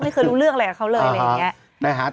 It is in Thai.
ไม่เคยรู้เรื่องอะไรกับเขาเลยอะไรอย่างนี้